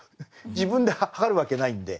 自分で量るわけないんで。